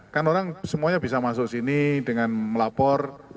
kan orang semuanya bisa masuk sini dengan melapor